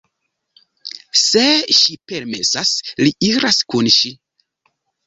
Se ŝi permesas, li iras kun ŝi.